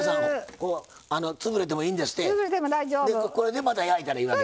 これでまた焼いたらいいわけ。